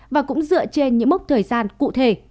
và cũng dựa trên những mốc thời gian cũ